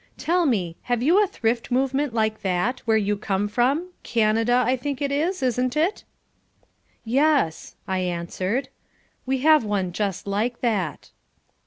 Tell me, have you a Thrift Movement like that, where you come from Canada, I think it is, isn't it?" "Yes," I answered, "we have one just like that."